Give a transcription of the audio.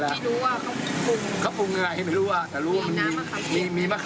รสชาติเปลี่ยนไหม